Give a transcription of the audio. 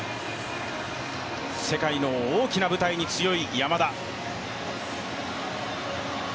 世界の大きな舞台に強い山田。